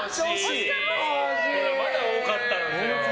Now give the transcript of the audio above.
まだ多かったんだ。